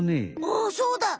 あっそうだ！